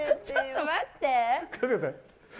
ちょっと待って！